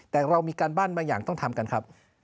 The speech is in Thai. แต่เรามีการบ้านบางอย่างต้องทำกันครับ